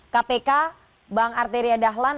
kpk bang arteria dahlan